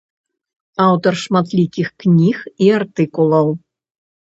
Аўтар шматлікіх кніг і артыкулаў.